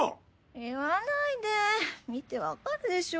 言わないで見てわかるでしょ。